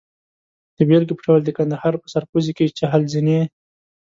د بېلګې په ډول د کندهار په سرپوزي کې چهل زینې.